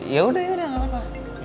ya udah ya udah gak apa apa